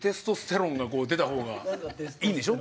出た方がいいんでしょ？